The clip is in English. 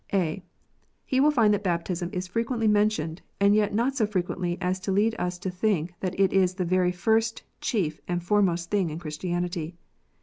(a) He will find that baptism is frequently mentioned, and yet not so frequently as to lead us to think that it is the very first, chief, and foremost thing in Christianity.